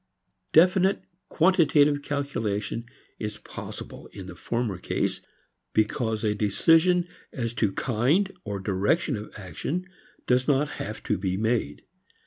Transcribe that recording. Definite quantitative calculation is possible in the former case because a decision as to kind or direction of action does not have to be made.